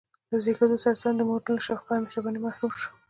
له زېږېدو سره سم د مور له شفقت او مهربانۍ محروم شو.